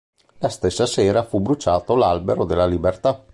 La stessa sera fu bruciato l'albero della libertà.